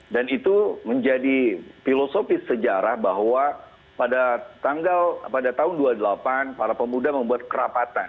dan itu menjadi filosofis sejarah bahwa pada tahun seribu sembilan ratus dua puluh delapan para pemuda membuat kerapatan